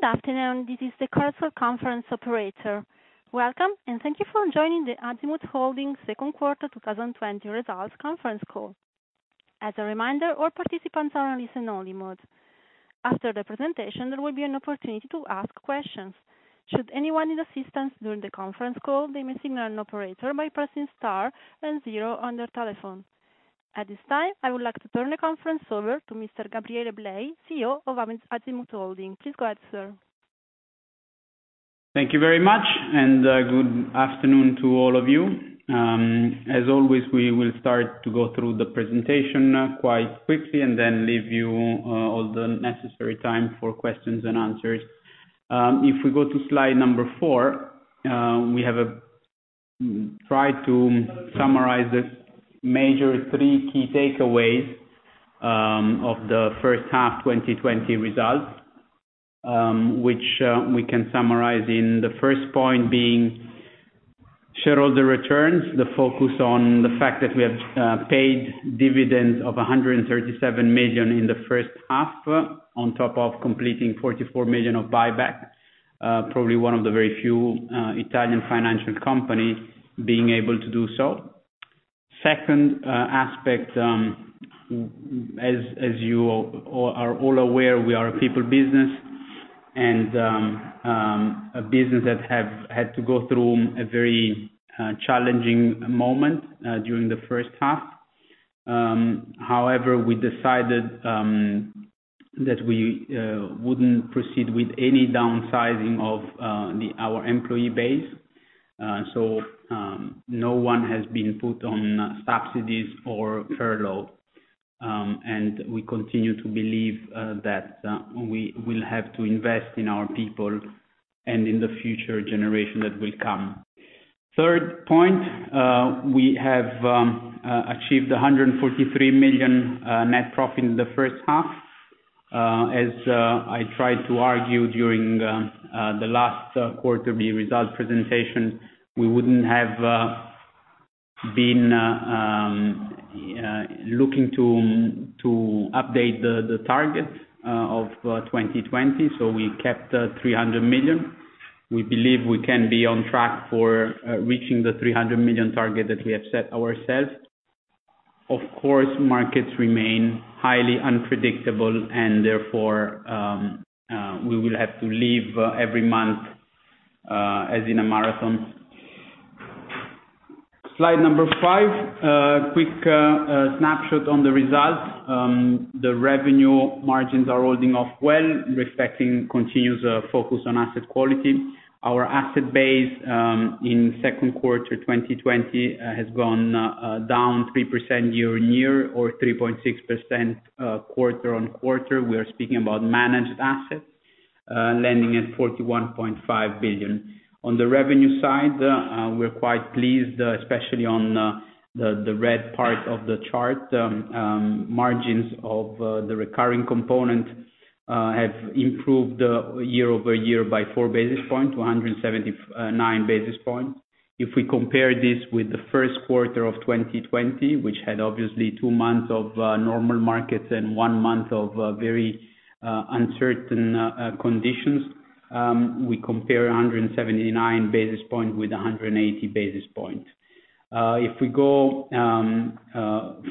Good afternoon. This is the Chorus Call conference operator. Welcome, and thank you for joining the Azimut Holding Second Quarter 2020 Results Conference Call. As a reminder, all participants are in listen-only mode. After the presentation, there will be an opportunity to ask questions. Should anyone need assistance during the conference call, they may signal an operator by pressing star and zero on their telephone. At this time, I would like to turn the conference over to Mr. Gabriele Blei, CEO of Azimut Holding. Please go ahead, sir. Thank you very much. Good afternoon to all of you. As always, we will start to go through the presentation quite quickly, and then leave you all the necessary time for questions and answers. If we go to slide number four, we have tried to summarize the major three key takeaways of the first half 2020 results, which we can summarize in the first point being shareholder returns, the focus on the fact that we have paid dividends of 137 million in the first half, on top of completing 44 million of buyback. Probably one of the very few Italian financial companies being able to do so. Second aspect, as you are all aware, we are a people business, and a business that had to go through a very challenging moment during the first half. However, we decided that we wouldn't proceed with any downsizing of our employee base. No one has been put on subsidies or furlough. We continue to believe that we will have to invest in our people and in the future generation that will come. Third point, we have achieved 143 million net profit in the first half. As I tried to argue during the last quarterly result presentation, we wouldn't have been looking to update the target of 2020, we kept 300 million. We believe we can be on track for reaching the 300 million target that we have set ourselves. Of course, markets remain highly unpredictable and therefore, we will have to live every month, as in a marathon. Slide number five. A quick snapshot on the results. The revenue margins are holding off well, respecting continuous focus on asset quality. Our asset base in second quarter 2020 has gone down 3% year-on-year or 3.6% quarter-on-quarter. We are speaking about managed assets, landing at 41.5 billion. On the revenue side, we're quite pleased, especially on the red part of the chart. Margins of the recurring component have improved year-over-year by four basis points, 179 basis points. If we compare this with the first quarter of 2020, which had obviously two months of normal markets and one month of very uncertain conditions, we compare 179 basis points with 180 basis points. If we go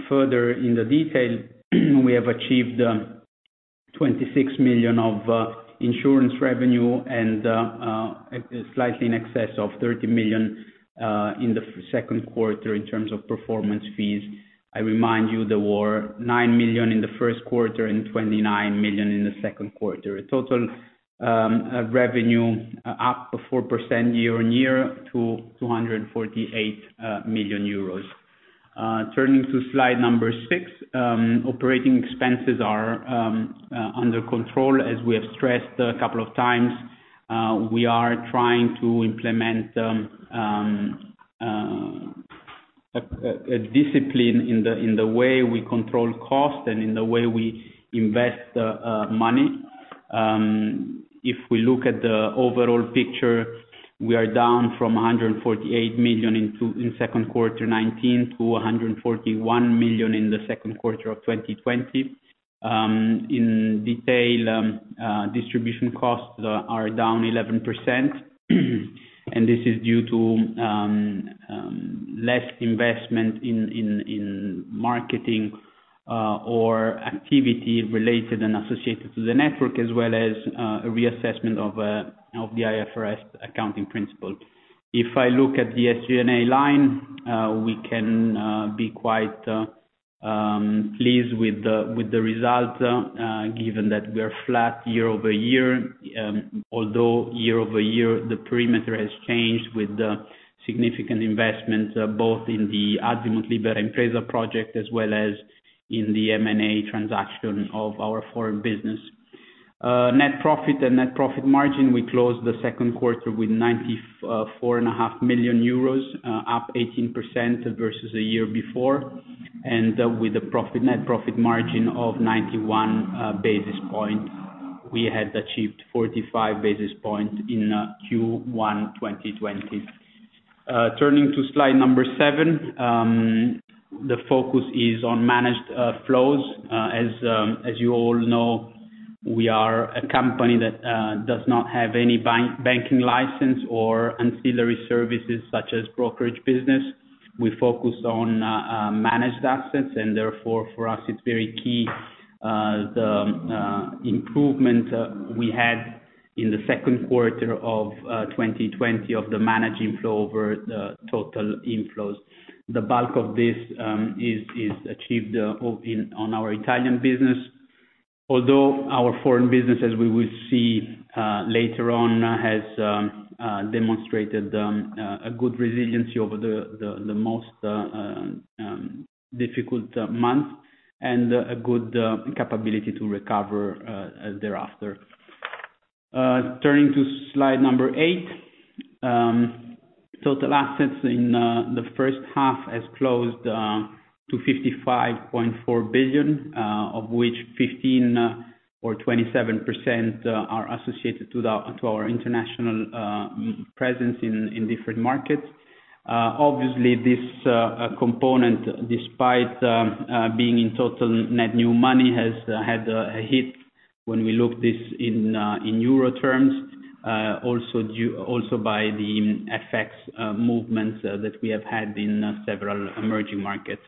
further in the detail, we have achieved 26 million of insurance revenue and slightly in excess of 30 million in the second quarter in terms of performance fees. I remind you there were 9 million in the first quarter and 29 million in the second quarter. A total revenue up 4% year-on-year to 248 million euros. Turning to slide number six. Operating expenses are under control. As we have stressed a couple of times, we are trying to implement a discipline in the way we control cost and in the way we invest money. If we look at the overall picture, we are down from 148 million in second quarter 2019 to 141 million in the second quarter of 2020. In detail, distribution costs are down 11%, and this is due to less investment in marketing or activity related and associated to the network, as well as a reassessment of the IFRS accounting principle. If I look at the SG&A line, we can be quite pleased with the result, given that we're flat year-over-year. Although year-over-year, the perimeter has changed with significant investments both in the Azimut Libera Impresa project as well as in the M&A transaction of our foreign business. Net profit and net profit margin, we closed the second quarter with 94.5 million euros, up 18% versus a year before. With a net profit margin of 91 basis points. We had achieved 45 basis points in Q1 2020. Turning to slide number seven, the focus is on managed flows. As you all know, we are a company that does not have any banking license or ancillary services such as brokerage business. We focus on managed assets, and therefore, for us, it's very key, the improvement we had in the second quarter of 2020 of the managing flow over the total inflows. The bulk of this is achieved on our Italian business, although our foreign business, as we will see later on, has demonstrated a good resiliency over the most difficult month, and a good capability to recover thereafter. Turning to slide number eight. Total assets in the first half has closed to 55.4 billion, of which 15 or 27% are associated to our international presence in different markets. Obviously, this component, despite being in total net new money, has had a hit when we look at this in EUR terms, also by the FX movements that we have had in several emerging markets.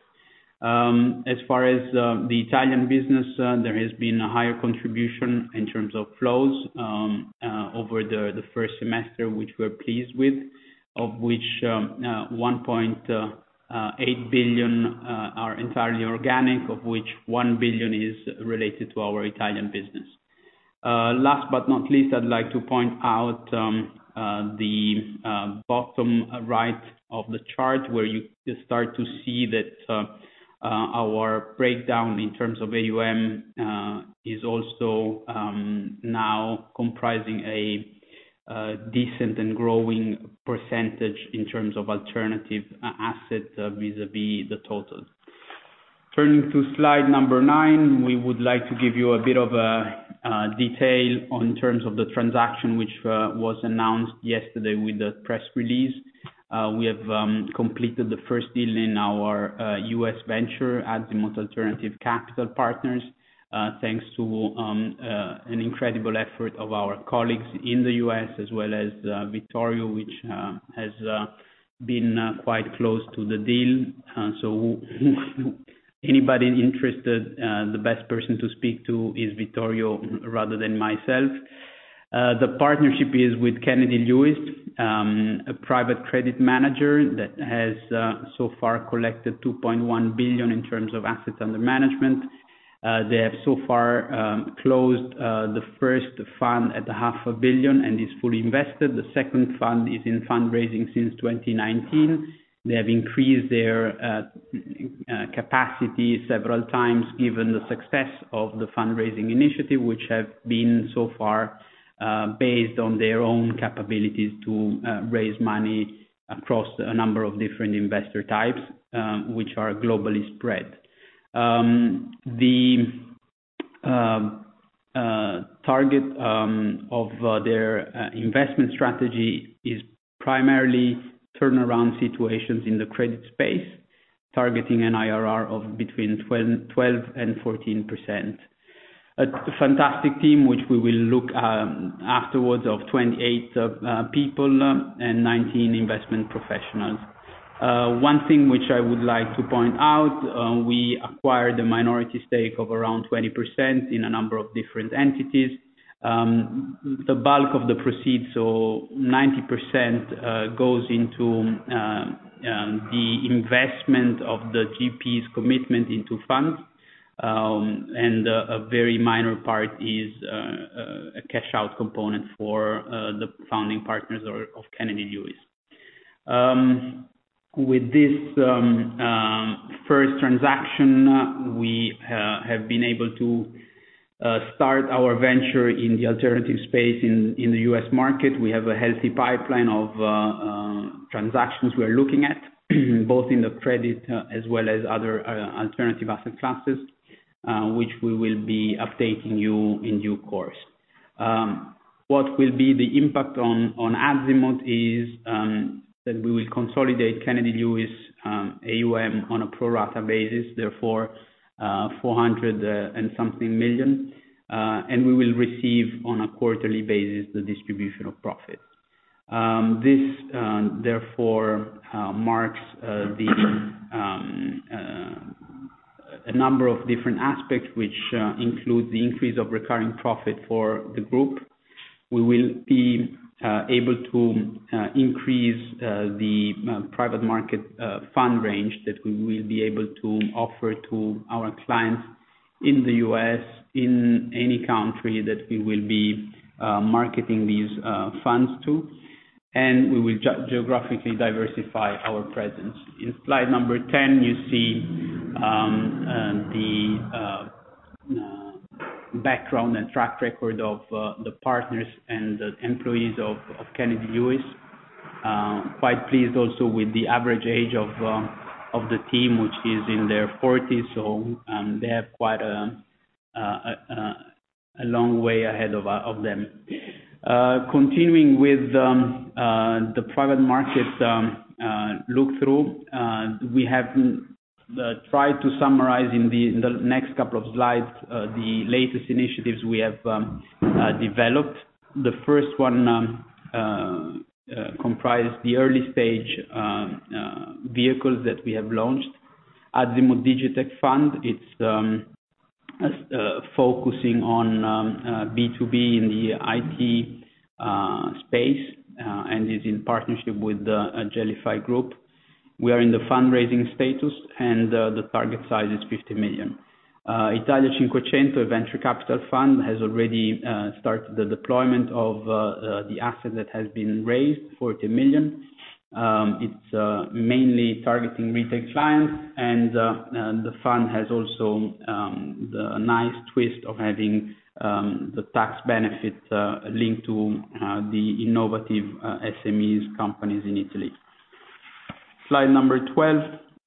As far as the Italian business, there has been a higher contribution in terms of flows over the first semester, which we are pleased with, of which 1.8 billion are entirely organic, of which 1 billion is related to our Italian business. Last but not least, I'd like to point out the bottom right of the chart where you start to see that our breakdown in terms of AUM is also now comprising a decent and growing percentage in terms of alternative assets vis-a-vis the total. Turning to slide number nine, we would like to give you a bit of detail in terms of the transaction which was announced yesterday with the press release. We have completed the first deal in our U.S. venture, Azimut Alternative Capital Partners, thanks to an incredible effort of our colleagues in the U.S. as well as Vittorio, which has been quite close to the deal. Anybody interested, the best person to speak to is Vittorio rather than myself. The partnership is with Kennedy Lewis, a private credit manager that has so far collected 2.1 billion in terms of assets under management. They have so far closed the first fund at EUR half a billion and is fully invested. The second fund is in fundraising since 2019. They have increased their capacity several times given the success of the fundraising initiative, which have been so far based on their own capabilities to raise money across a number of different investor types, which are globally spread. The target of their investment strategy is primarily turnaround situations in the credit space, targeting an IRR of between 12% and 14%. A fantastic team, which we will look at afterwards, of 28 people and 19 investment professionals. One thing which I would like to point out, we acquired a minority stake of around 20% in a number of different entities. The bulk of the proceeds, so 90%, goes into the investment of the GP's commitment into funds, and a very minor part is a cash-out component for the founding partners of Kennedy Lewis. With this first transaction, we have been able to start our venture in the alternative space in the U.S. market. We have a healthy pipeline of transactions we are looking at, both in the credit as well as other alternative asset classes, which we will be updating you in due course. What will be the impact on Azimut is that we will consolidate Kennedy Lewis AUM on a pro rata basis, therefore 400 and something million, and we will receive, on a quarterly basis, the distribution of profits. This therefore marks a number of different aspects, which include the increase of recurring profit for the group. We will be able to increase the private market fund range that we will be able to offer to our clients in the U.S., in any country that we will be marketing these funds to. We will geographically diversify our presence. In slide 10, you see the background and track record of the partners and the employees of Kennedy Lewis. Quite pleased also with the average age of the team, which is in their 40s. They are quite a long way ahead of them. Continuing with the private market look-through, we have tried to summarize in the next couple of slides, the latest initiatives we have developed. The first one comprise the early-stage vehicles that we have launched. Azimut Digitech Fund, it's focusing on B2B in the IT space, and is in partnership with the GELLIFY Group. We are in the fundraising status, and the target size is $50 million. Italia 500 Venture Capital Fund has already started the deployment of the asset that has been raised, 40 million. It's mainly targeting retail clients, and the fund has also the nice twist of having the tax benefit linked to the innovative SMEs companies in Italy. Slide number 12.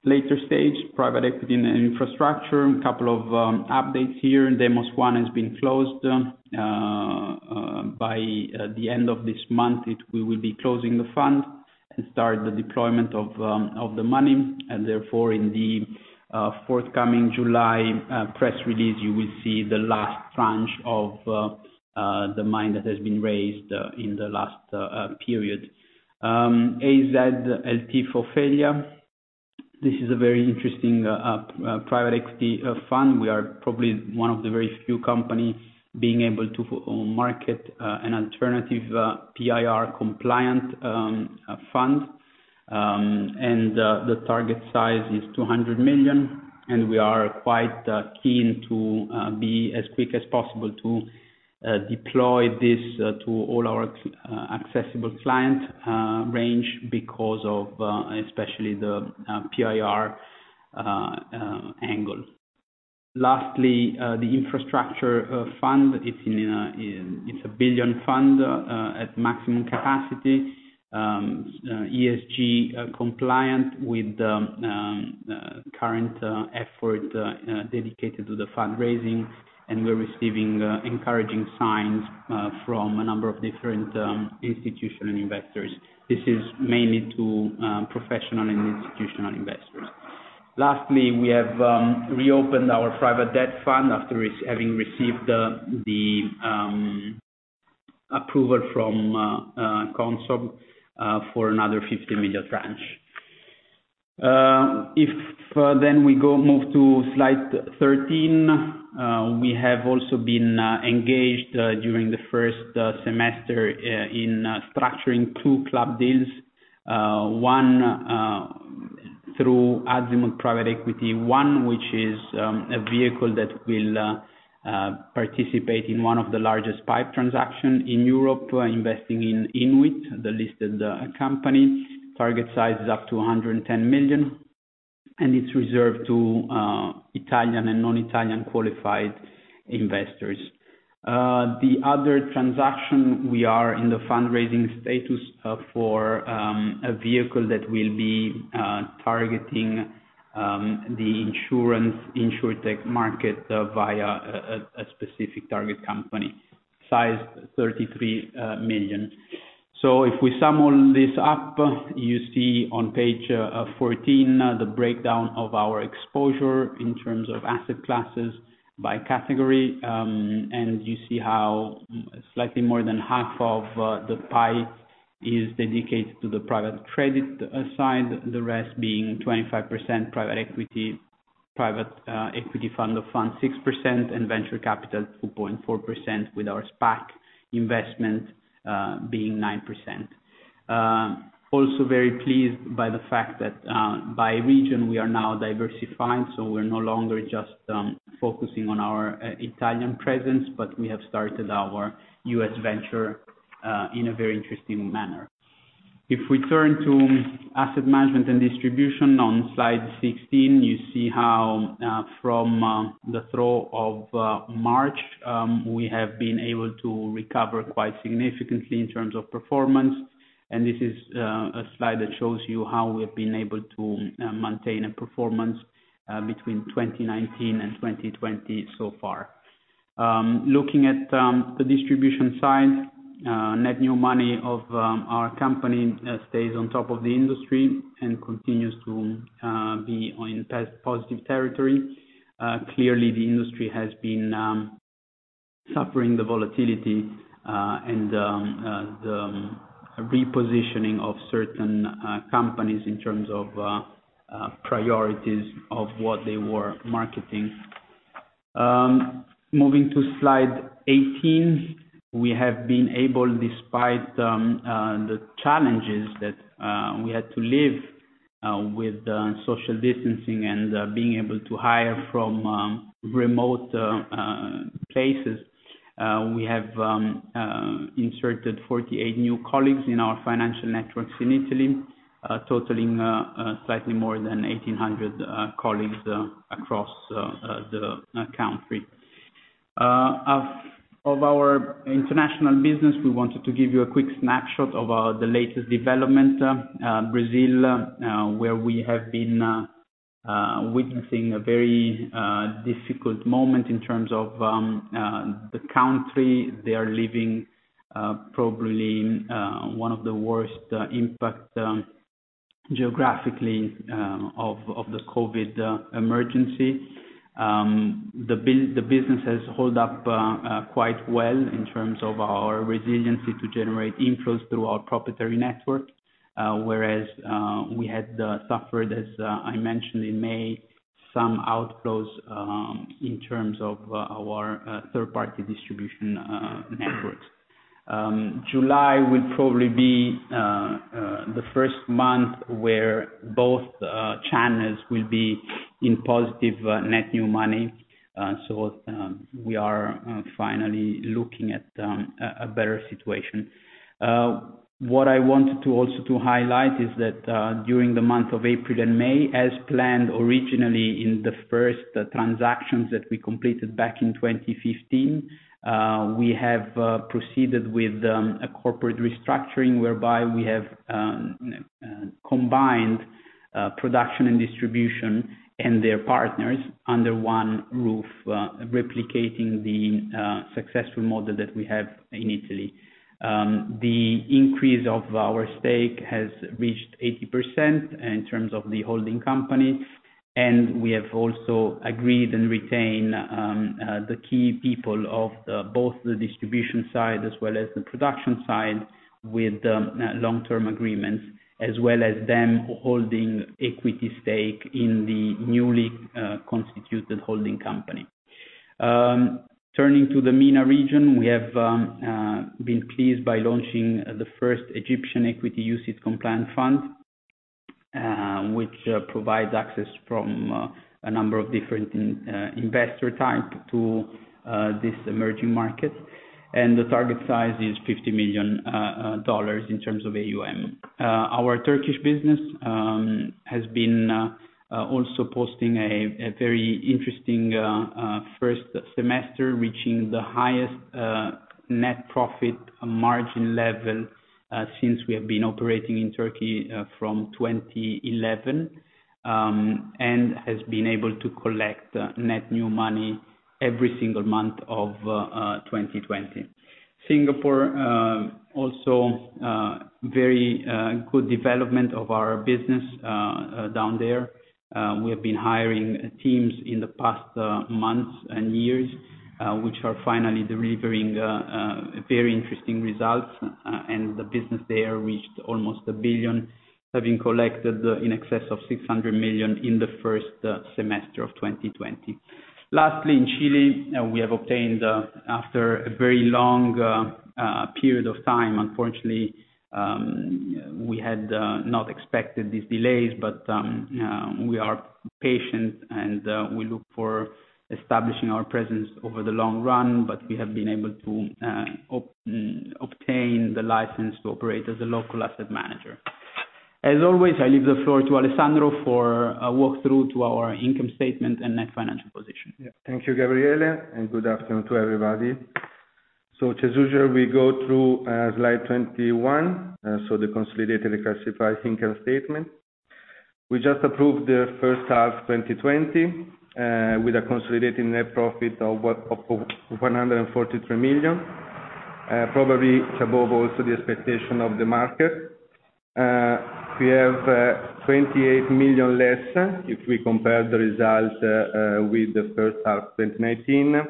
Later stage, private equity and infrastructure. A couple of updates here. DEMOS I has been closed. By the end of this month, we will be closing the fund and start the deployment of the money, and therefore in the forthcoming July press release, you will see the last tranche of the money that has been raised in the last period. AZ LT for failure. This is a very interesting private equity fund. We are probably one of the very few companies being able to market an alternative PIR-compliant fund. The target size is 200 million, and we are quite keen to be as quick as possible to deploy this to all our accessible client range because of especially the PIR angle. Lastly, the infrastructure fund. It's a 1 billion fund at maximum capacity. ESG compliant with the current effort dedicated to the fundraising, We're receiving encouraging signs from a number of different institutional investors. This is mainly to professional and institutional investors. Lastly, we have reopened our private debt fund after having received the approval from CONSOB for another EUR 50 million tranche. We move to slide 13. We have also been engaged during the first semester in structuring two club deals. One through Azimut Private Equity, one which is a vehicle that will participate in one of the largest PIPE transactions in Europe. We're investing in INWIT, the listed company. Target size is up to 110 million, and it's reserved to Italian and non-Italian qualified investors. The other transaction, we are in the fundraising status for a vehicle that will be targeting the insurance Insurtech market via a specific target company, size 33 million. If we sum all this up, you see on page 14 the breakdown of our exposure in terms of asset classes by category. You see how slightly more than half of the pie is dedicated to the private credit side, the rest being 25% private equity, private equity fund of fund 6%, and venture capital 2.4%, with our SPAC investment being 9%. Also very pleased by the fact that by region, we are now diversifying, so we're no longer just focusing on our Italian presence, but we have started our U.S. venture in a very interesting manner. If we turn to asset management and distribution on slide 16, you see how from the trough of March, we have been able to recover quite significantly in terms of performance, and this is a slide that shows you how we've been able to maintain a performance between 2019 and 2020 so far. Looking at the distribution side, net new money of our company stays on top of the industry and continues to be in positive territory. Clearly, the industry has been suffering the volatility and the repositioning of certain companies in terms of priorities of what they were marketing. Moving to slide 18. We have been able, despite the challenges that we had to live with social distancing and being able to hire from remote places, we have inserted 48 new colleagues in our financial networks in Italy, totaling slightly more than 1,800 colleagues across the country. Of our international business, we wanted to give you a quick snapshot of the latest development. Brazil, where we have been witnessing a very difficult moment in terms of the country. They are living probably one of the worst impact geographically of the COVID emergency. The business has held up quite well in terms of our resiliency to generate inflows through our proprietary network, whereas we had suffered, as I mentioned in May, some outflows in terms of our third-party distribution networks. July will probably be the first month where both channels will be in positive net new money. We are finally looking at a better situation. What I wanted to also to highlight is that during the month of April and May, as planned originally in the first transactions that we completed back in 2015, we have proceeded with a corporate restructuring whereby we have combined production and distribution and their partners under one roof, replicating the successful model that we have in Italy. We have also agreed and retained the key people of both the distribution side as well as the production side with long-term agreements, as well as them holding equity stake in the newly constituted holding company. Turning to the MENA region, we have been pleased by launching the first Egyptian equity UCITS compliant fund, which provides access from a number of different investor type to this emerging market, and the target size is $50 million in terms of AUM. Our Turkish business has been also posting a very interesting first semester, reaching the highest net profit margin level since we have been operating in Turkey from 2011, and has been able to collect net new money every single month of 2020. Singapore, also very good development of our business down there. We have been hiring teams in the past months and years, which are finally delivering very interesting results, and the business there reached almost 1 billion, having collected in excess of 600 million in the first semester of 2020. In Chile, we have obtained, after a very long period of time, unfortunately, we had not expected these delays, but we are patient, and we look for establishing our presence over the long run, but we have been able to obtain the license to operate as a local asset manager. As always, I leave the floor to Alessandro for a walkthrough to our income statement and net financial position. Thank you, Gabriele, and good afternoon to everybody. As usual, we go through slide 21, so the consolidated classified income statement. We just approved the first half 2020, with a consolidating net profit of 143 million. Probably it's above also the expectation of the market. We have 28 million less if we compare the result with the first half 2019,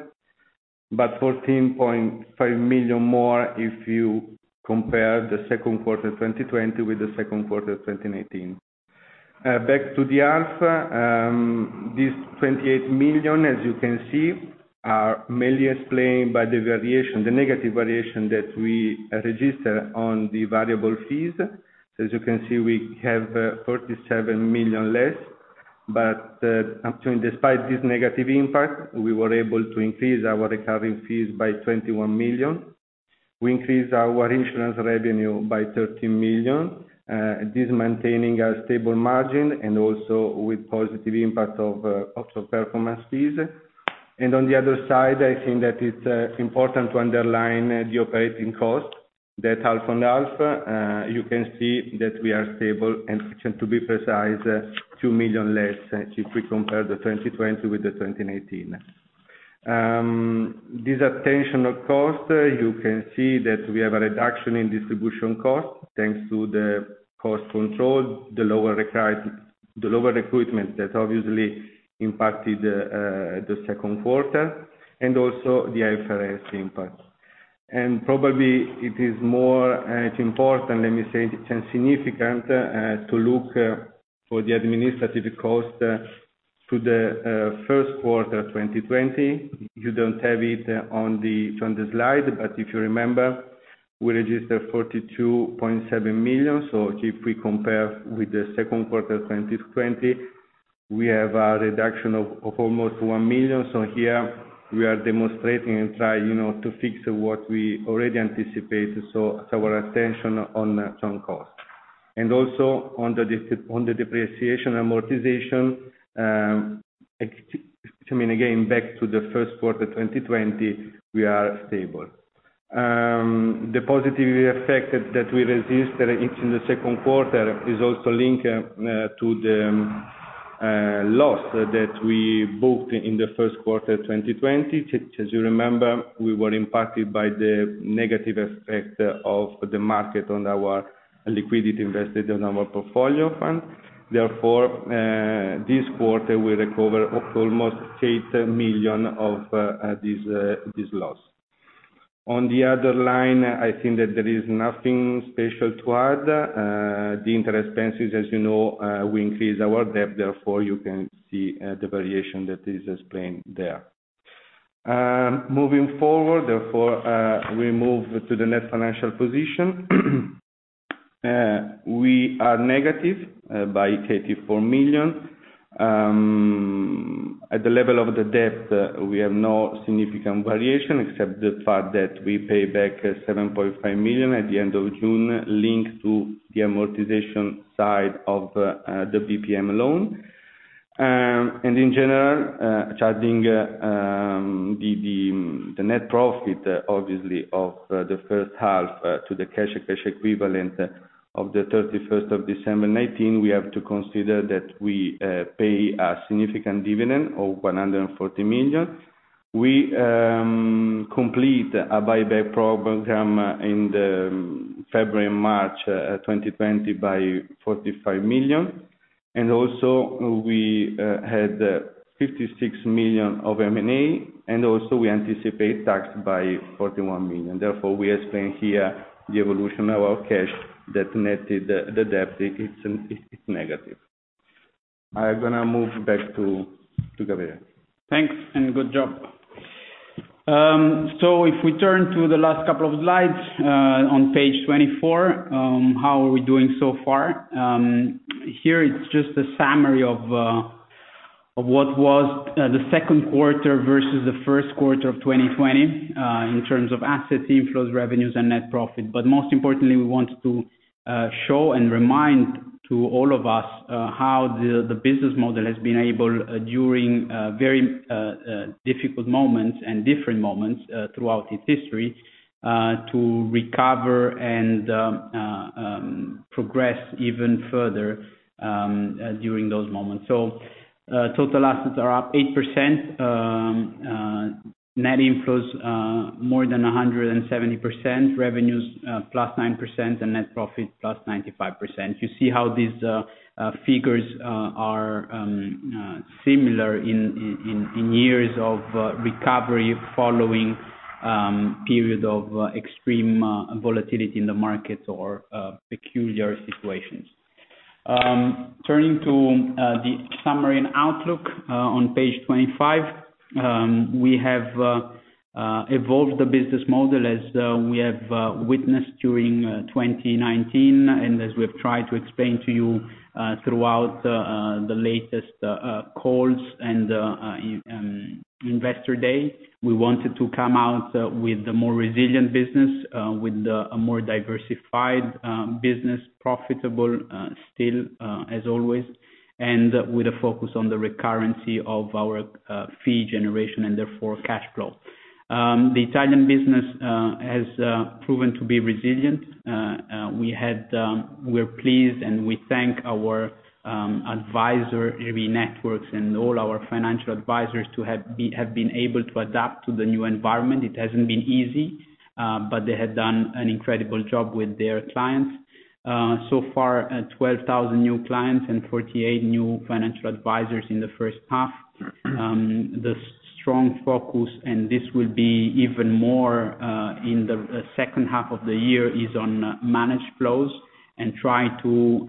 but 14.5 million more if you compare the second quarter 2020 with the second quarter 2019. Back to the half. This 28 million, as you can see, are mainly explained by the negative variation that we register on the variable fees. As you can see, we have 37 million less. Despite this negative impact, we were able to increase our recurring fees by 21 million. We increased our insurance revenue by 13 million. This maintaining a stable margin and also with positive impact of performance fees. On the other side, I think that it is important to underline the operating cost that half on half, you can see that we are stable and to be precise, 2 million less if we compare the 2020 with the 2019. This attentional cost, you can see that we have a reduction in distribution cost thanks to the cost control, the lower recruitment that obviously impacted the second quarter, and also the IFRS impact. Probably it is more important, let me say, significant, to look for the administrative cost to the first quarter 2020. You do not have it on the slide, but if you remember, we registered 42.7 million. If we compare with the second quarter 2020, we have a reduction of almost 1 million. Here we are demonstrating and try to fix what we already anticipated. Our attention on some cost. Also on the depreciation amortization. Which again, back to the first quarter 2020, we are stable. The positive effect that we registered in the second quarter is also linked to the loss that we booked in the first quarter 2020. As you remember, we were impacted by the negative effect of the market on our liquidity invested on our portfolio fund. This quarter we recover almost 8 million of this loss. On the other line, I think that there is nothing special to add. The interest expenses, as you know, we increase our debt, therefore you can see the variation that is explained there. Moving forward, we move to the net financial position. We are negative by 34 million. At the level of the debt, we have no significant variation except the fact that we pay back 7.5 million at the end of June, linked to the amortization side of the BPM loan. In general, charging the net profit, obviously, of the first half to the cash equivalent of the 31st of December 2019, we have to consider that we pay a significant dividend of 140 million. We complete a buyback program in the February and March 2020 by 45 million. Also we had 56 million of M&A, and also we anticipate tax by 41 million. Therefore, we explain here the evolution of our cash that netted the debt. It's negative. I'm going to move back to Gabriele. Thanks, good job. If we turn to the last couple of slides, on page 24, how are we doing so far? Here it's just a summary of what was the second quarter versus the first quarter of 2020, in terms of assets, inflows, revenues, and net profit. Most importantly, we wanted to show and remind to all of us how the business model has been able, during very difficult moments and different moments throughout its history, to recover and progress even further during those moments. Total assets are up 8%, net inflows more than 170%, revenues plus 9%, and net profit plus 95%. You see how these figures are similar in years of recovery following period of extreme volatility in the markets or peculiar situations. Turning to the summary and outlook, on page 25. We have evolved the business model as we have witnessed during 2019, and as we have tried to explain to you, throughout the latest calls and Investor Day. We wanted to come out with a more resilient business, with a more diversified business, profitable still as always, and with a focus on the recurrency of our fee generation and therefore cash flow. The Italian business has proven to be resilient. We are pleased and we thank our advisor, AB Networks, and all our financial advisors to have been able to adapt to the new environment. It hasn't been easy, but they have done an incredible job with their clients. So far, 12,000 new clients and 48 new financial advisors in the first half. The strong focus, and this will be even more in the second half of the year, is on managed flows and try to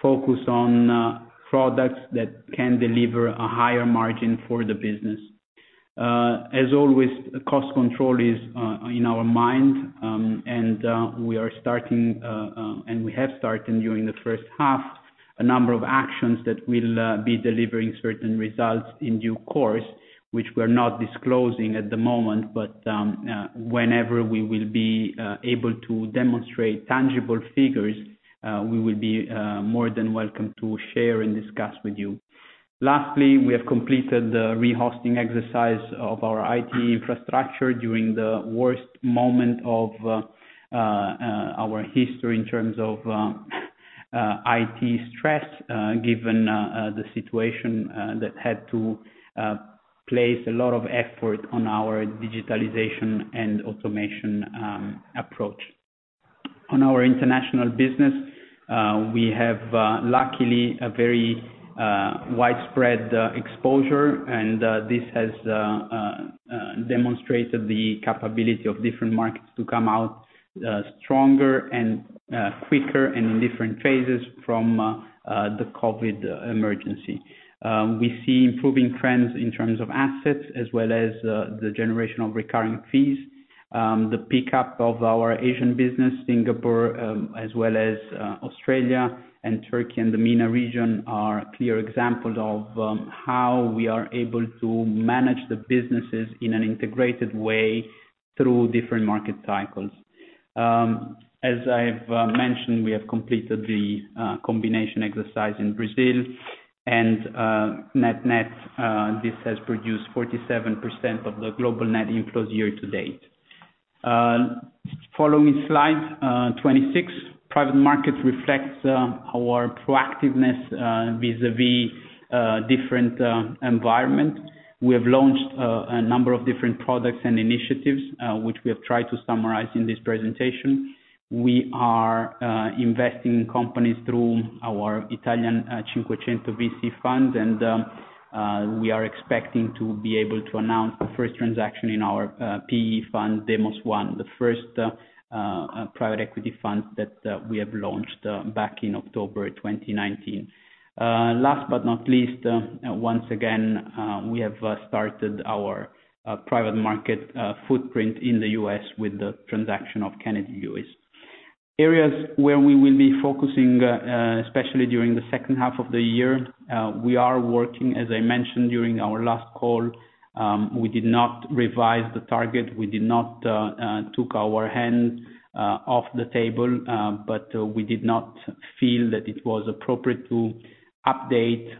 focus on products that can deliver a higher margin for the business. As always, cost control is in our mind, and we have started during the first half a number of actions that will be delivering certain results in due course, which we're not disclosing at the moment. Whenever we will be able to demonstrate tangible figures, we will be more than welcome to share and discuss with you. Lastly, we have completed the re-hosting exercise of our IT infrastructure during the worst moment of our history in terms of IT stress, given the situation that had to place a lot of effort on our digitalization and automation approach. On our international business, we have, luckily, a very widespread exposure, and this has demonstrated the capability of different markets to come out stronger and quicker and in different phases from the COVID emergency. We see improving trends in terms of assets as well as the generation of recurring fees. The pickup of our Asian business, Singapore, as well as Australia and Turkey and the MENA region, are clear examples of how we are able to manage the businesses in an integrated way through different market cycles. As I've mentioned, we have completed the combination exercise in Brazil, and net-net, this has produced 47% of the global net inflows year to date. Following slide 26. Private markets reflects our proactiveness vis-a-vis different environment. We have launched a number of different products and initiatives, which we have tried to summarize in this presentation. We are investing in companies through our Italia 500 VC fund. We are expecting to be able to announce the first transaction in our PE fund, Demos 1, the first private equity fund that we have launched back in October 2019. Last but not least, once again, we have started our private market footprint in the U.S. with the transaction of Kennedy Lewis. Areas where we will be focusing, especially during the second half of the year, we are working, as I mentioned during our last call. We did not revise the target. We did not take our hands off the table. We did not feel that it was appropriate to update,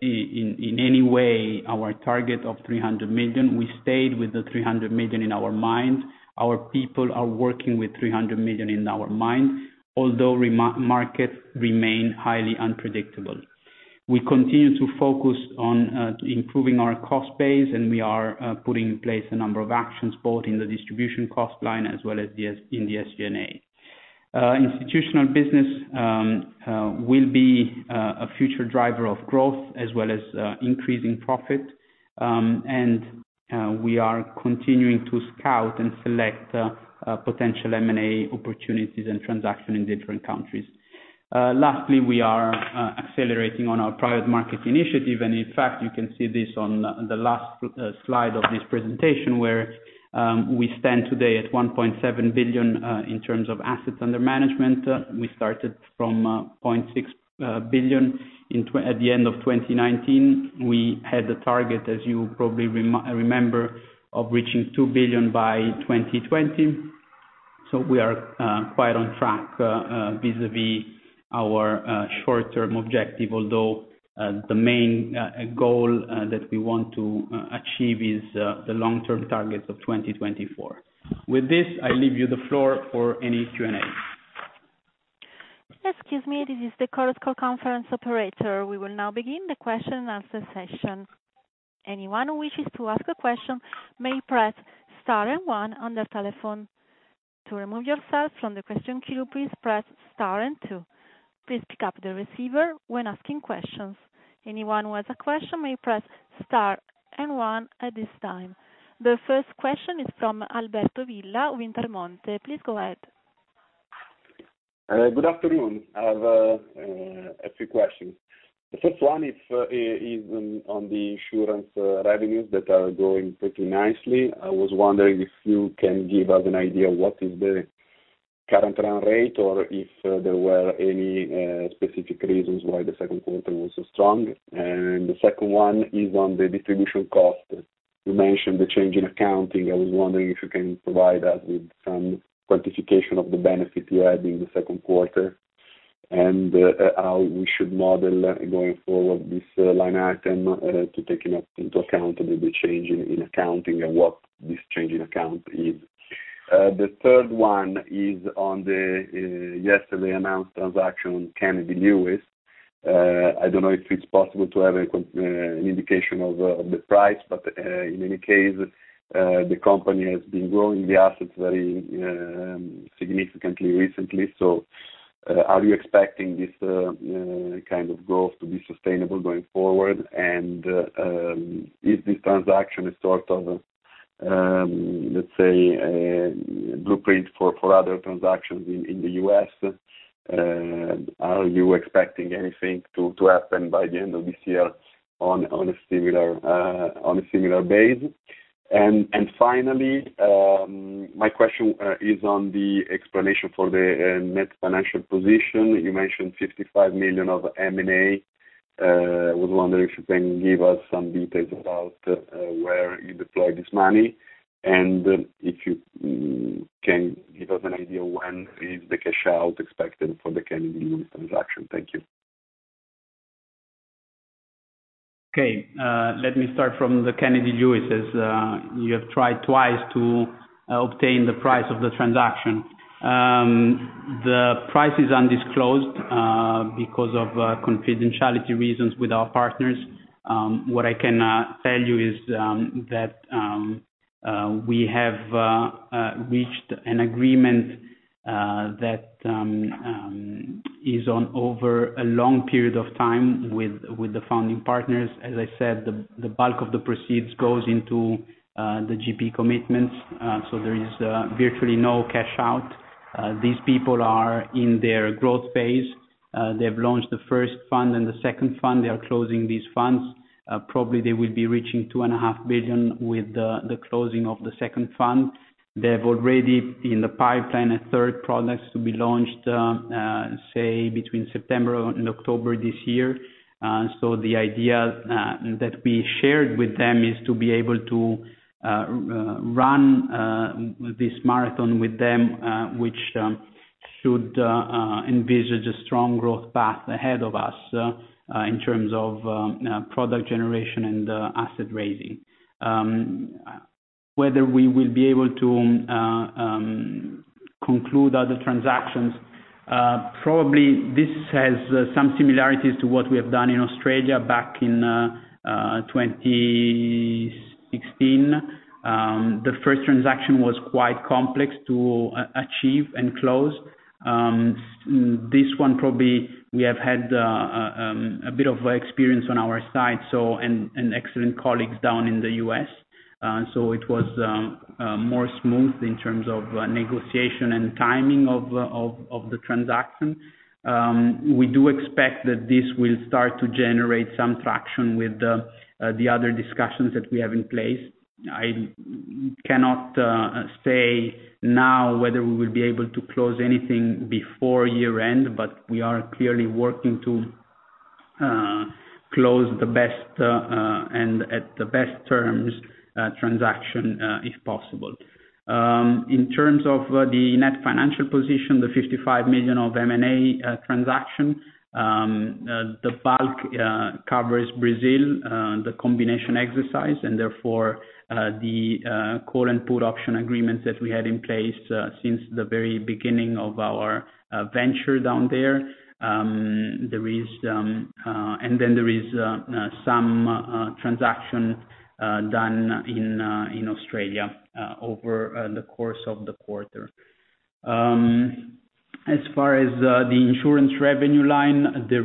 in any way, our target of 300 million. We stayed with the 300 million in our mind. Our people are working with 300 million in our mind, although markets remain highly unpredictable. We continue to focus on improving our cost base, and we are putting in place a number of actions, both in the distribution cost line as well as in the SG&A. Institutional business will be a future driver of growth as well as increasing profit. We are continuing to scout and select potential M&A opportunities and transaction in different countries. Lastly, we are accelerating on our private market initiative. In fact, you can see this on the last slide of this presentation, where we stand today at 1.7 billion in terms of assets under management. We started from 0.6 billion. At the end of 2019, we had a target, as you probably remember, of reaching 2 billion by 2020. We are quite on track vis-a-vis our short-term objective, although the main goal that we want to achieve is the long-term target of 2024. With this, I leave you the floor for any Q&A. Excuse me. This is the conference operator. We will now begin the question and answer session. Anyone who wishes to ask a question may press star and one on their telephone. To remove yourself from the question queue, please press star and two. Please pick up the receiver when asking questions. Anyone who has a question may press star and one at this time. The first question is from Alberto Villa, Intermonte. Please go ahead. Good afternoon. I have a few questions. The first one is on the insurance revenues that are growing pretty nicely. I was wondering if you can give us an idea what is the current run rate or if there were any specific reasons why the second quarter was so strong. The second one is on the distribution cost. You mentioned the change in accounting. I was wondering if you can provide us with some quantification of the benefit you had in the second quarter and how we should model going forward this line item, taking into account the change in accounting and what this change in accounting is. The third one is on the yesterday announced transaction, Kennedy Lewis. I don't know if it's possible to have an indication of the price, but in any case, the company has been growing the assets very significantly recently. Are you expecting this kind of growth to be sustainable going forward? Is this transaction a sort of, let's say, a blueprint for other transactions in the U.S.? Are you expecting anything to happen by the end of this year on a similar base? Finally, my question is on the explanation for the net financial position. You mentioned 55 million of M&A. I was wondering if you can give us some details about where you deployed this money, and if you can give us an idea when is the cash out expected for the Kennedy Lewis transaction. Thank you. Okay. Let me start from the Kennedy Lewis, as you have tried twice to obtain the price of the transaction. The price is undisclosed because of confidentiality reasons with our partners. What I can tell you is that we have reached an agreement that is on over a long period of time with the founding partners. As I said, the bulk of the proceeds goes into the GP commitments, so there is virtually no cash out. These people are in their growth phase. They've launched the first fund and the second fund. They are closing these funds. Probably, they will be reaching $two and a half billion with the closing of the second fund. They have already in the pipeline a third product to be launched, say between September and October this year. The idea that we shared with them is to be able to run this marathon with them, which should envisage a strong growth path ahead of us in terms of product generation and asset raising. Whether we will be able to conclude other transactions, probably this has some similarities to what we have done in Australia back in 2016. The first transaction was quite complex to achieve and close. This one probably, we have had a bit of experience on our side, and excellent colleagues down in the U.S. It was more smooth in terms of negotiation and timing of the transaction. We do expect that this will start to generate some traction with the other discussions that we have in place. I cannot say now whether we will be able to close anything before year-end, but we are clearly working to close the best, and at the best terms, transaction, if possible. In terms of the net financial position, the 55 million of M&A transaction. The bulk covers Brazil, the combination exercise, and therefore, the call and put option agreements that we had in place since the very beginning of our venture down there. There is some transaction done in Australia over the course of the quarter. As far as the insurance revenue line, there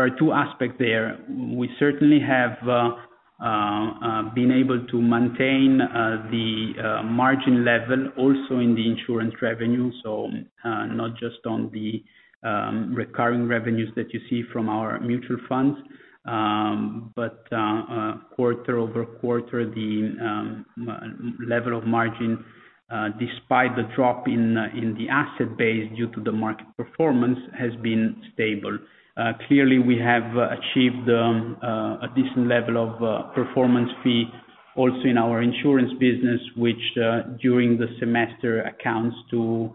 are two aspects there. We certainly have been able to maintain the margin level also in the insurance revenue, not just on the recurring revenues that you see from our mutual funds. Quarter-over-quarter, the level of margin, despite the drop in the asset base due to the market performance, has been stable. Clearly, we have achieved a decent level of performance fee also in our insurance business, which, during the semester, accounts to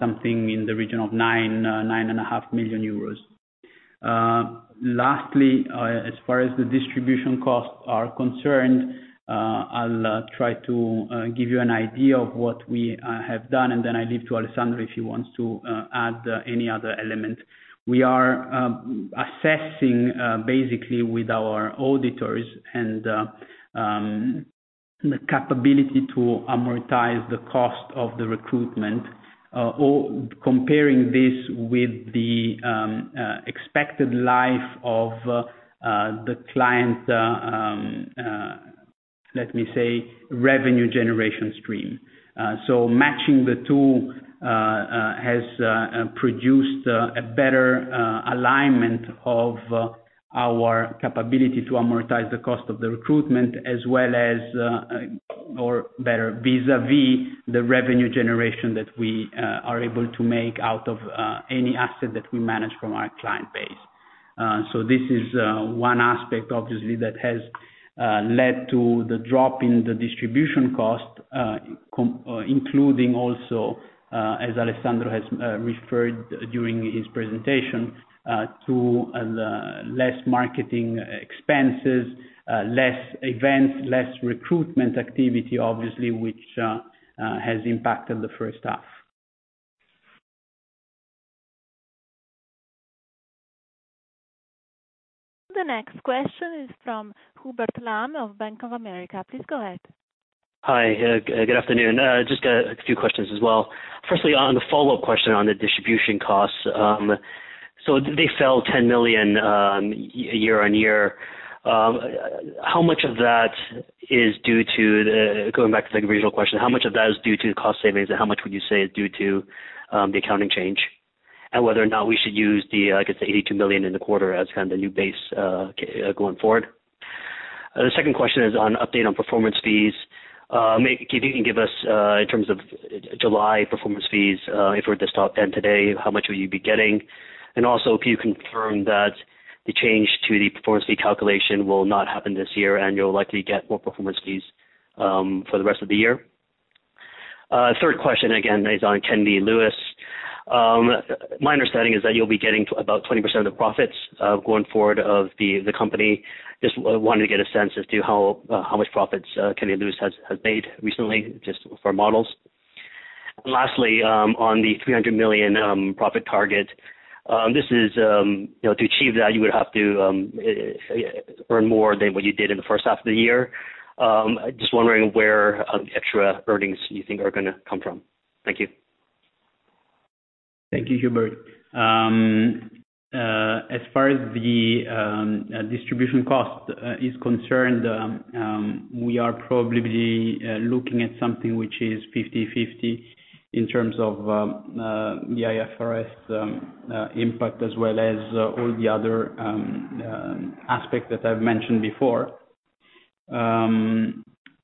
something in the region of 9.5 million euros. Lastly, as far as the distribution costs are concerned, I'll try to give you an idea of what we have done, and then I leave to Alessandro if he wants to add any other element. We are assessing, basically, with our auditors, the capability to amortize the cost of the recruitment, or comparing this with the expected life of the client, let me say, revenue generation stream. Matching the two has produced a better alignment of our capability to amortize the cost of the recruitment as well as, or better, vis-à-vis the revenue generation that we are able to make out of any asset that we manage from our client base. This is one aspect, obviously, that has led to the drop in the distribution cost, including also, as Alessandro has referred during his presentation, to less marketing expenses, less events, less recruitment activity, obviously, which has impacted the first half. The next question is from Hubert Lam of Bank of America. Please go ahead. Hi. Good afternoon. Just a few questions as well. Firstly, on the follow-up question on the distribution costs. They fell EUR 10 million year-on-year. Going back to the original question, how much of that is due to cost savings, and how much would you say is due to the accounting change? Whether or not we should use the, I guess the 82 million in the quarter as kind of the new base going forward. The second question is on update on performance fees. If you can give us, in terms of July performance fees, if we were to stop end today, how much would you be getting? If you confirm that the change to the performance fee calculation will not happen this year, and you'll likely get more performance fees for the rest of the year. Third question, again, is on Kennedy Lewis. My understanding is that you'll be getting about 20% of the profits going forward of the company. Just wanted to get a sense as to how much profits Kennedy Lewis has made recently just for models. And lastly, on the 300 million profit target. To achieve that, you would have to earn more than what you did in the first half of the year. Just wondering where the extra earnings you think are going to come from. Thank you. Thank you, Hubert. As far as the distribution cost is concerned, we are probably looking at something which is 50/50 in terms of the IFRS impact, as well as all the other aspects that I've mentioned before.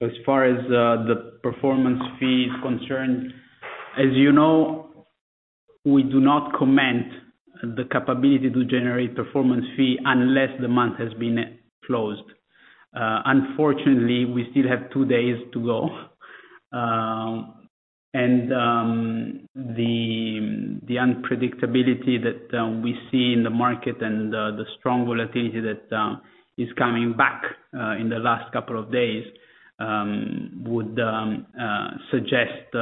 As far as the performance fee is concerned, as you know, we do not comment the capability to generate performance fee unless the month has been closed. Unfortunately, we still have two days to go. The unpredictability that we see in the market and the strong volatility that is coming back in the last couple of days, would suggest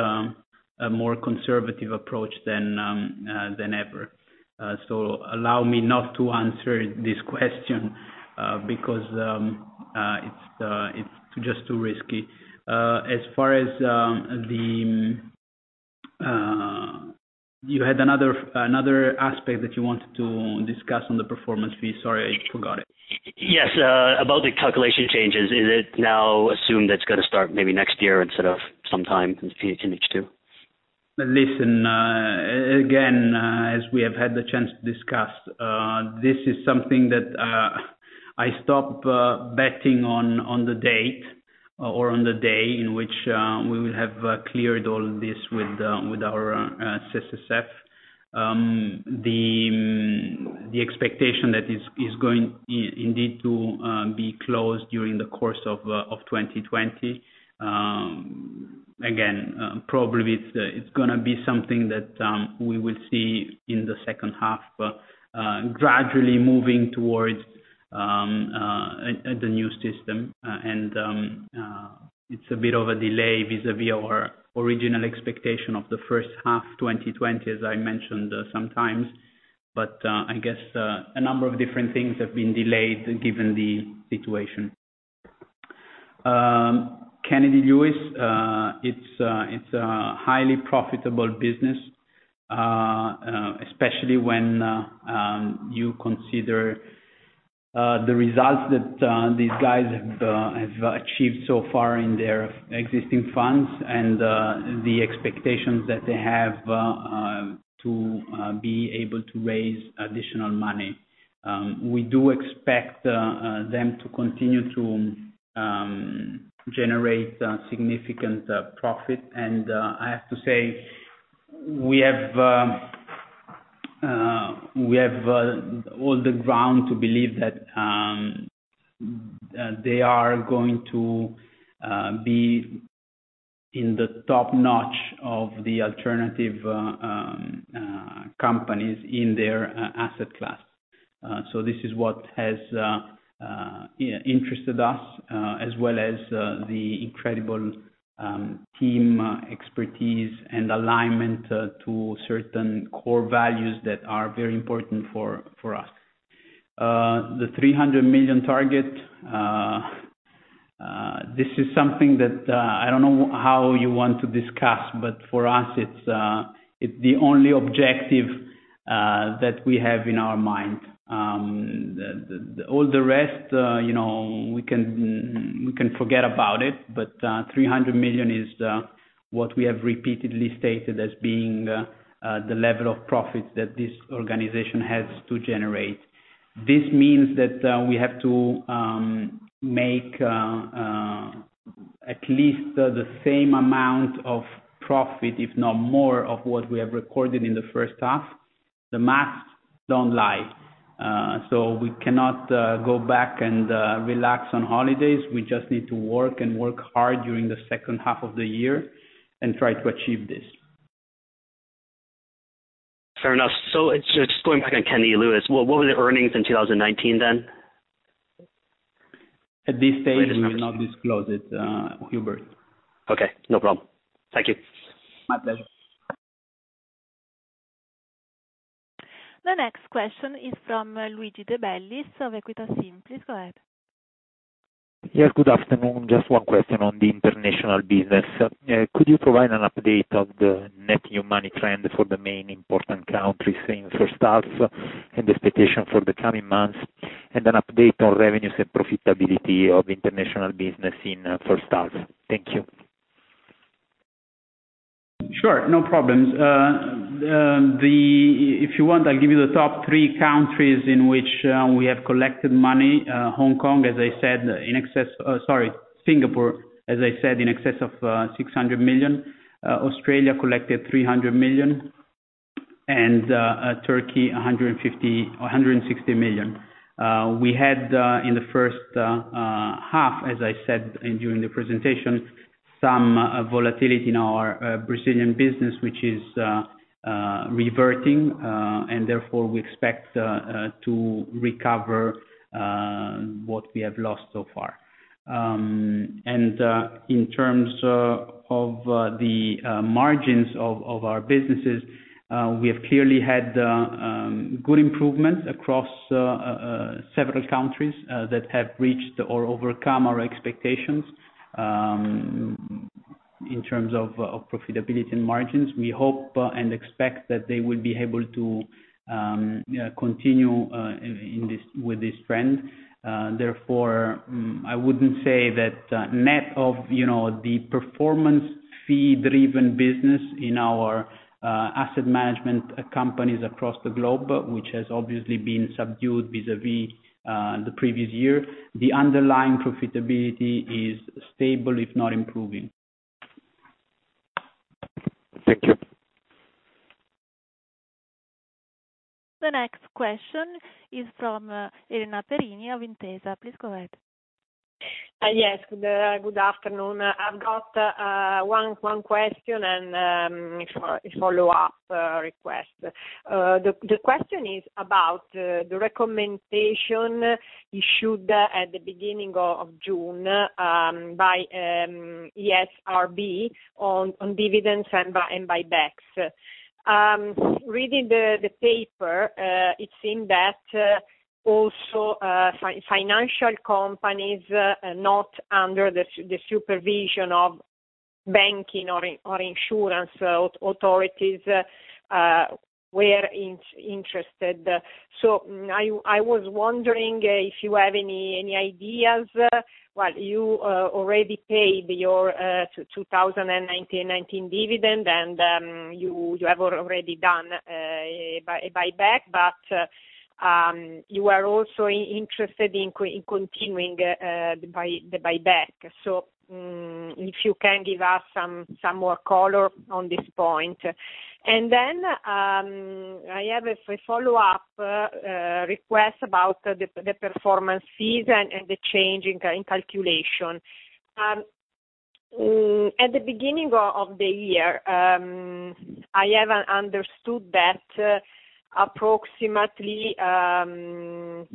a more conservative approach than ever. Allow me not to answer this question, because it's just too risky. As far as you had another aspect that you wanted to discuss on the performance fee. Sorry, I forgot it. Yes. About the calculation changes, is it now assumed that's going to start maybe next year instead of sometime in Q2H2? Listen, again, as we have had the chance to discuss, this is something that I stop betting on the date or on the day in which we will have cleared all this with our CSSF. The expectation that is going indeed to be closed during the course of 2020. Probably it's going to be something that we will see in the second half, gradually moving towards the new system. It's a bit of a delay vis-a-vis our original expectation of the first half 2020, as I mentioned sometimes. I guess, a number of different things have been delayed, given the situation. Kennedy Lewis, it's a highly profitable business, especially when you consider the results that these guys have achieved so far in their existing funds and the expectations that they have to be able to raise additional money. We do expect them to continue to generate significant profit. I have to say, we have all the ground to believe that they are going to be in the top notch of the alternative companies in their asset class. This is what has interested us, as well as the incredible team expertise and alignment to certain core values that are very important for us. The 300 million target, this is something that I don't know how you want to discuss, for us, it's the only objective that we have in our mind. All the rest, we can forget about it. 300 million is what we have repeatedly stated as being the level of profits that this organization has to generate. This means that we have to make at least the same amount of profit, if not more, of what we have recorded in the first half. The math don't lie. We cannot go back and relax on holidays. We just need to work and work hard during the second half of the year and try to achieve this. Fair enough. Just going back on Kennedy Lewis, what were the earnings in 2019 then? At this stage, we will not disclose it, Hubert. Okay, no problem. Thank you. My pleasure. The next question is from Luigi De Bellis of EQUITA SIM. Please go ahead. Yes, good afternoon. Just one question on the international business. Could you provide an update of the net new money trend for the main important countries in First Half and expectation for the coming months, and an update on revenues and profitability of international business in First Half. Thank you. Sure. No problems. If you want, I'll give you the top three countries in which we have collected money. Singapore, as I said, in excess of 600 million. Australia collected 300 million, and Turkey, 160 million. We had, in the first half, as I said during the presentation, some volatility in our Brazilian business, which is reverting. Therefore, we expect to recover what we have lost so far. In terms of the margins of our businesses, we have clearly had good improvements across several countries that have reached or overcome our expectations. In terms of profitability and margins, we hope and expect that they will be able to continue with this trend. Therefore, I wouldn't say that net of the performance fee-driven business in our asset management companies across the globe, which has obviously been subdued vis-a-vis the previous year. The underlying profitability is stable, if not improving. Thank you. The next question is from Elena Perini of Intesa. Please go ahead. Yes. Good afternoon. I have got one question and a follow-up request. The question is about the recommendation issued at the beginning of June by ESRB on dividends and buybacks. Reading the paper, it seemed that also financial companies not under the supervision of banking or insurance authorities were interested. I was wondering if you have any ideas. Well, you already paid your 2019 dividend, and you have already done a buyback. You are also interested in continuing the buyback. If you can give us some more color on this point. I have a follow-up request about the performance fees and the change in calculation. At the beginning of the year, I have understood that approximately the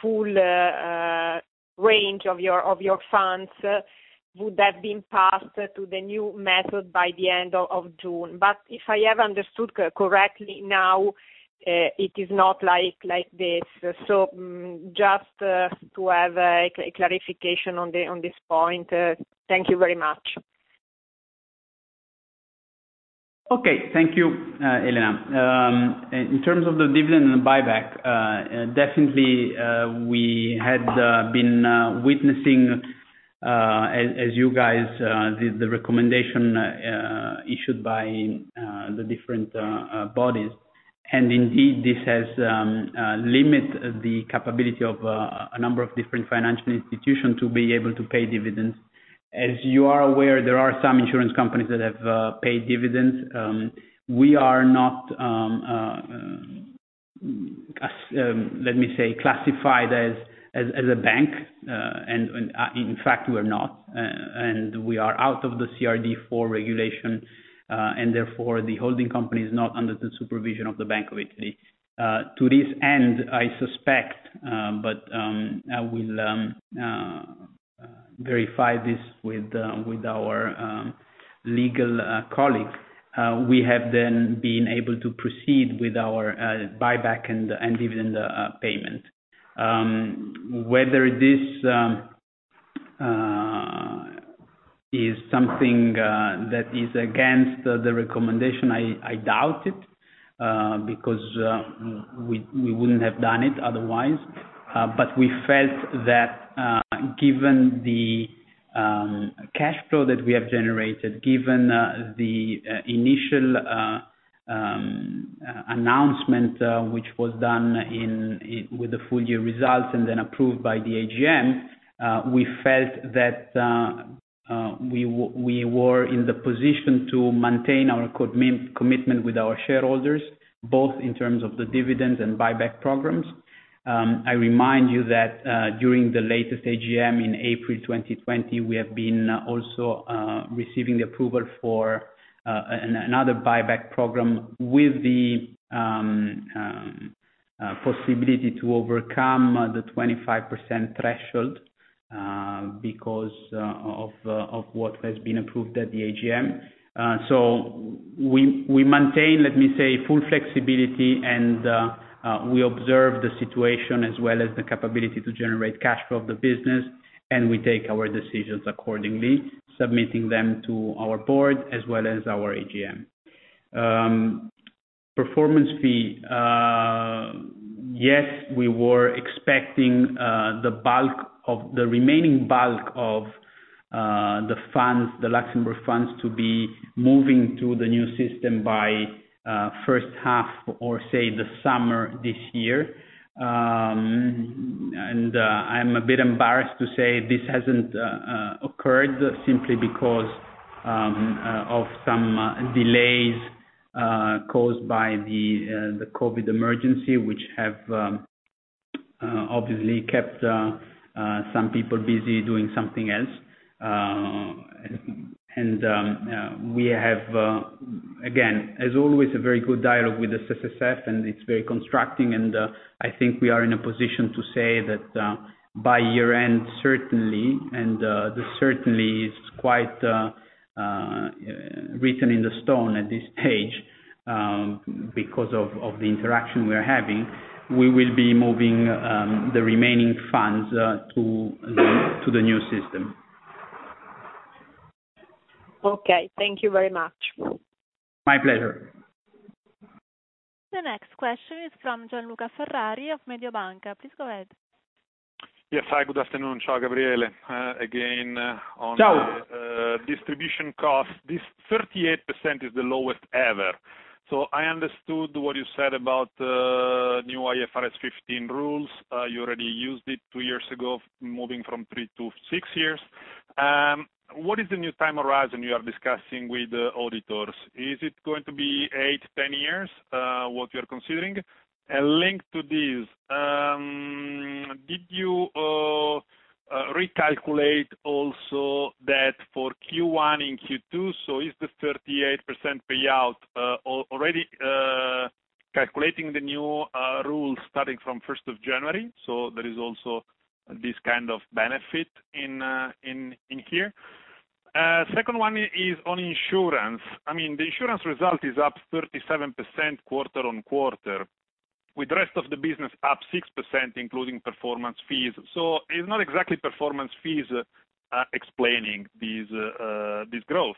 full range of your funds would have been passed to the new method by the end of June. If I have understood correctly now, it is not like this. Just to have a clarification on this point. Thank you very much. Okay. Thank you, Elena. In terms of the dividend and buyback, definitely, we had been witnessing, as you guys, the recommendation issued by the different bodies. Indeed, this has limited the capability of a number of different financial institutions to be able to pay dividends. As you are aware, there are some insurance companies that have paid dividends. We are not, let me say, classified as a bank, and in fact, we're not. We are out of the CRD IV regulation, and therefore, the holding company is not under the supervision of the Bank of Italy. To this end, I suspect, but I will verify this with our legal colleagues. We have then been able to proceed with our buyback and dividend payment. Whether this is something that is against the recommendation, I doubt it, because we wouldn't have done it otherwise. We felt that given the cash flow that we have generated, given the initial announcement, which was done with the full year results and then approved by the AGM, we felt that we were in the position to maintain our commitment with our shareholders, both in terms of the dividend and buyback programs. I remind you that during the latest AGM in April 2020, we have been also receiving the approval for another buyback program with the possibility to overcome the 25% threshold because of what has been approved at the AGM. We maintain, let me say, full flexibility and we observe the situation as well as the capability to generate cash flow of the business, and we take our decisions accordingly, submitting them to our board as well as our AGM. Performance fee. Yes, we were expecting the remaining bulk of the Luxembourg funds to be moving to the new system by first half or say the summer this year. I'm a bit embarrassed to say this hasn't occurred simply because of some delays caused by the COVID emergency, which have obviously kept some people busy doing something else. We have, again, as always, a very good dialogue with the CSSF, and it's very constructive, and I think we are in a position to say that by year-end, certainly, and this certainly is quite written in the stone at this stage, because of the interaction we're having, we will be moving the remaining funds to the new system. Okay. Thank you very much. My pleasure. The next question is from Gianluca Ferrari of Mediobanca. Please go ahead. Yes. Hi. Good afternoon. Ciao, Gabriele. Ciao distribution cost, this 38% is the lowest ever. I understood what you said about new IFRS 15 rules. You already used it two years ago, moving from three to six years. What is the new time horizon you are discussing with the auditors? Is it going to be eight, 10 years, what you're considering? Linked to this, did you recalculate also that for Q1 and Q2, is the 38% payout already calculating the new rules starting from 1st of January, there is also this kind of benefit in here? Second one is on insurance. The insurance result is up 37% quarter-on-quarter, with the rest of the business up 6%, including performance fees. It's not exactly performance fees explaining this growth.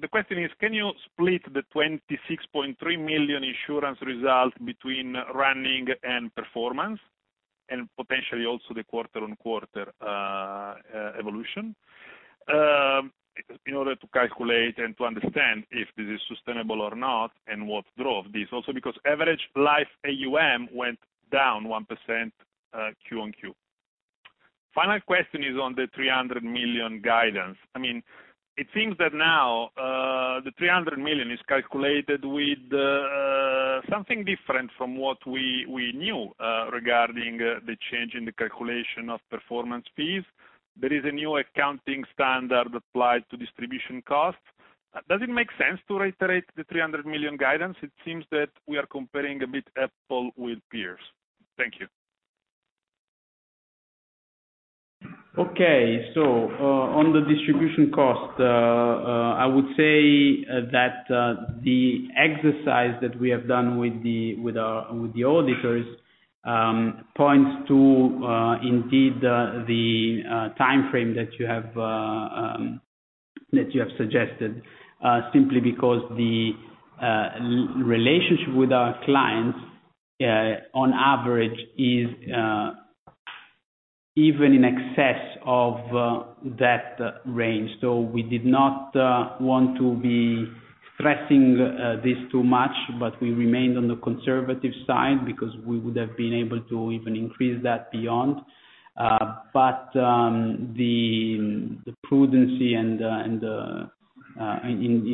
The question is, can you split the 26.3 million insurance result between running and performance, and potentially also the quarter-on-quarter evolution, in order to calculate and to understand if this is sustainable or not, and what drove this? Because average life AUM went down 1% Q-on-Q. Final question is on the 300 million guidance. It seems that now, the 300 million is calculated with something different from what we knew regarding the change in the calculation of performance fees. There is a new accounting standard applied to distribution costs. Does it make sense to reiterate the 300 million guidance? It seems that we are comparing a bit apple with pears. Thank you. Okay. On the distribution cost, I would say that the exercise that we have done with the auditors points to indeed the timeframe that you have suggested, simply because the relationship with our clients on average is even in excess of that range. We did not want to be stressing this too much, but we remained on the conservative side because we would have been able to even increase that beyond. The prudency in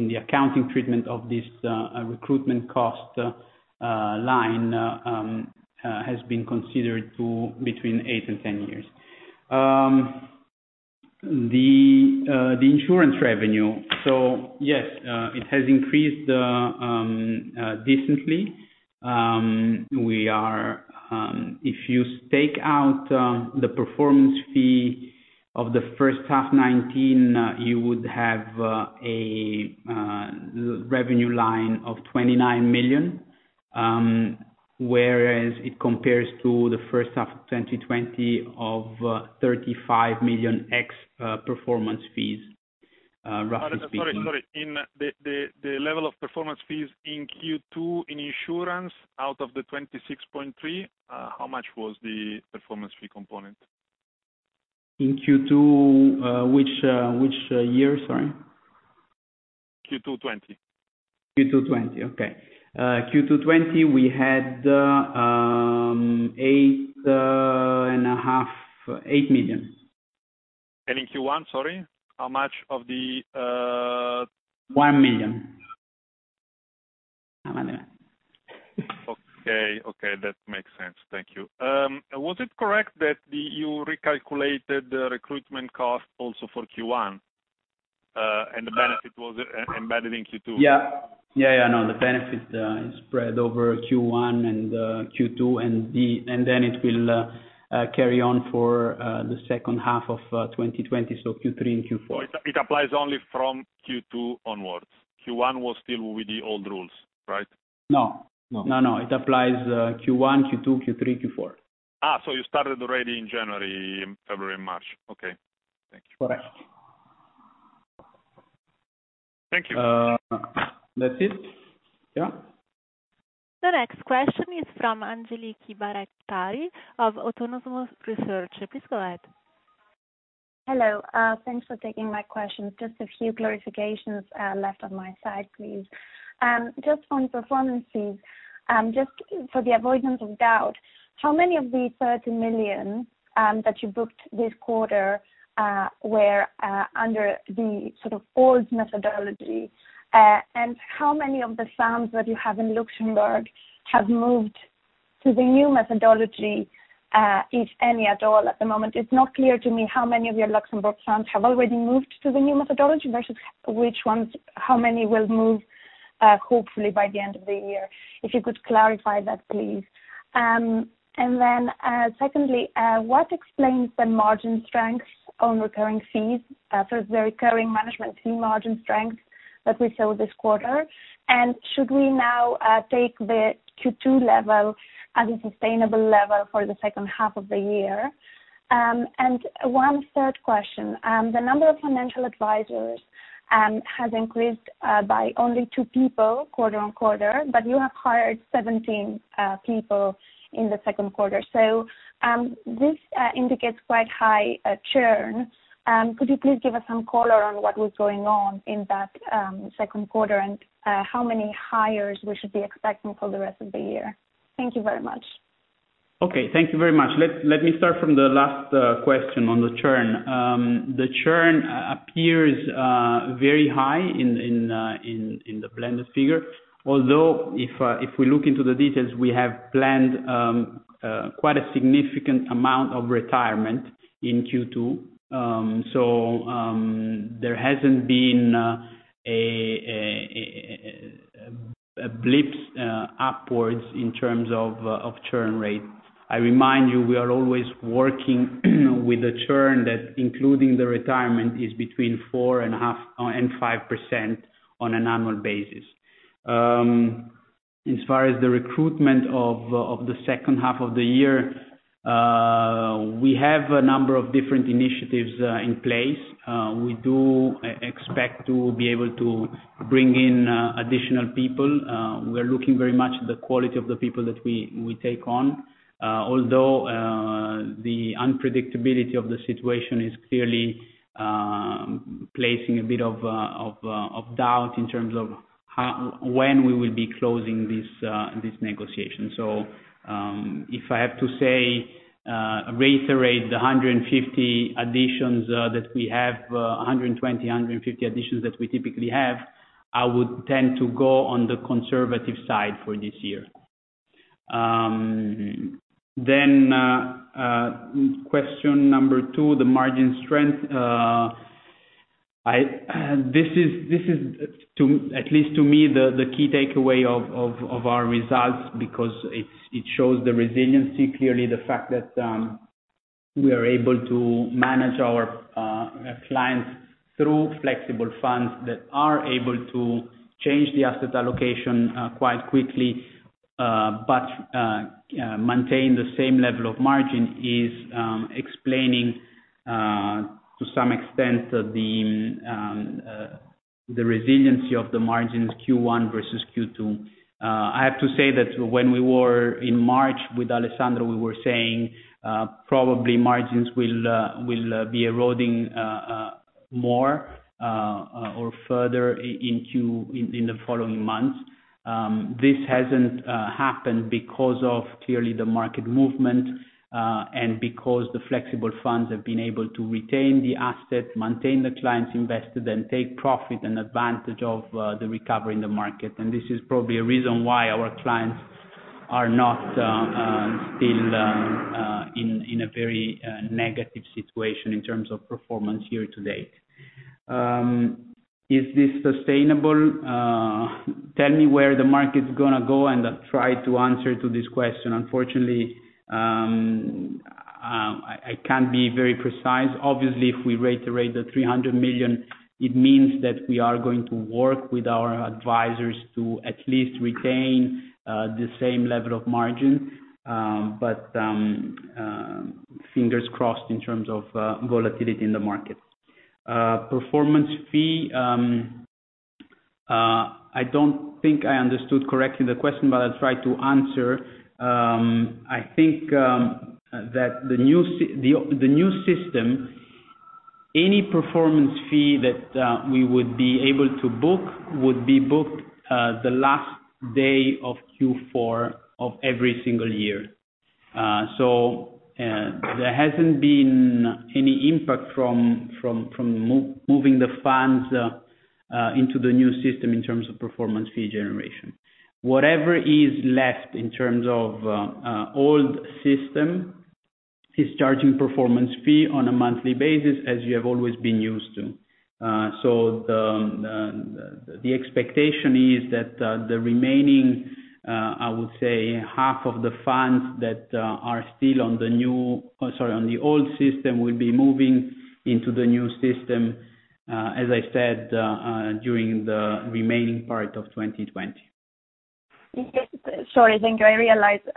the accounting treatment of this recruitment cost line has been considered to between 8 and 10 years. The insurance revenue. Yes, it has increased decently. If you take out the performance fee of the first half 2019, you would have a revenue line of 29 million, whereas it compares to the first half of 2020 of 35 million ex performance fees, roughly speaking. Sorry. In the level of performance fees in Q2 in insurance, out of the 26.3, how much was the performance fee component? In Q2 which year, sorry? Q2 2020. Q2 '20. Okay. Q2 '20, we had eight million. in Q1, sorry, how much of the 1 million. More or less. Okay. That makes sense. Thank you. Was it correct that you recalculated the recruitment cost also for Q1, and the benefit was embedded in Q2? Yeah. The benefit is spread over Q1 and Q2, and then it will carry on for the second half of 2020, so Q3 and Q4. It applies only from Q2 onward. Q1 was still with the old rules, right? No. No. No, no. It applies Q1, Q2, Q3, Q4. You started already in January, February, March. Okay. Thank you. Correct. Thank you. That's it. Yeah. The next question is from Angeliki Bairaktari of Autonomous Research. Please go ahead. Hello. Thanks for taking my questions. Just a few clarifications left on my side, please. Just on performance fees, just for the avoidance of doubt, how many of the 30 million that you booked this quarter were under the sort of old methodology? How many of the SICAVs that you have in Luxembourg have moved to the new methodology, if any at all at the moment? It's not clear to me how many of your Luxembourg SICAVs have already moved to the new methodology versus how many will move, hopefully by the end of the year. If you could clarify that, please. Secondly, what explains the margin strength on recurring fees, so the recurring management fee margin strength that we saw this quarter? Should we now take the Q2 level as a sustainable level for the second half of the year? One third question. The number of financial advisors has increased by only two people quarter-on-quarter, you have hired 17 people in the second quarter. This indicates quite high churn. Could you please give us some color on what was going on in that second quarter, and how many hires we should be expecting for the rest of the year? Thank you very much. Okay, thank you very much. Let me start from the last question on the churn. The churn appears very high in the blended figure. If we look into the details, we have planned quite a significant amount of retirement in Q2. There hasn't been a blip upwards in terms of churn rate. I remind you, we are always working with a churn that including the retirement, is between 4.5% and 5% on an annual basis. As far as the recruitment of the second half of the year, we have a number of different initiatives in place. We do expect to be able to bring in additional people. We're looking very much the quality of the people that we take on. The unpredictability of the situation is clearly placing a bit of doubt in terms of when we will be closing these negotiations. If I have to say, reiterate the 150 additions that we have, 120, 150 additions that we typically have, I would tend to go on the conservative side for this year. Question number two, the margin strength. This is, at least to me, the key takeaway of our results because it shows the resiliency. Clearly, the fact that we are able to manage our clients through flexible funds that are able to change the asset allocation quite quickly, but maintain the same level of margin, is explaining, to some extent, the resiliency of the margins Q1 versus Q2. I have to say that when we were in March with Alessandro, we were saying, probably margins will be eroding more or further in the following months. This hasn't happened because of, clearly, the market movement, and because the flexible funds have been able to retain the assets, maintain the clients invested, and take profit and advantage of the recovery in the market. This is probably a reason why our clients are not still in a very negative situation in terms of performance year to date. Is this sustainable? Tell me where the market's going to go, and I'll try to answer to this question. Unfortunately, I can't be very precise. Obviously, if we rate the 300 million, it means that we are going to work with our advisors to at least retain the same level of margin. Fingers crossed in terms of volatility in the market. Performance fee, I don't think I understood correctly the question, but I'll try to answer. I think that the new system, any performance fee that we would be able to book, would be booked the last day of Q4 of every single year. There hasn't been any impact from moving the funds into the new system in terms of performance fee generation. Whatever is left in terms of old system is charging performance fee on a monthly basis, as you have always been used to. The expectation is that the remaining, I would say, half of the funds that are still on the old system, will be moving into the new system, as I said, during the remaining part of 2020. Sorry, thank you. I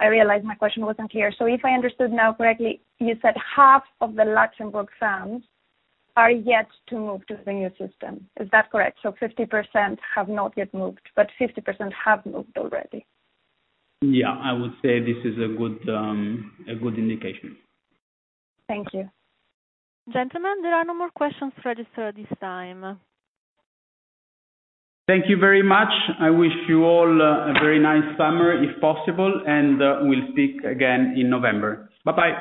realize my question wasn't clear. If I understood now correctly, you said half of the Luxembourg funds are yet to move to the new system. Is that correct? 50% have not yet moved, but 50% have moved already. Yeah, I would say this is a good indication. Thank you. Gentlemen, there are no more questions registered at this time. Thank you very much. I wish you all a very nice summer if possible, and we'll speak again in November. Bye-bye.